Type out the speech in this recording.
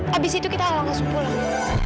habis itu kita akan masuk pulang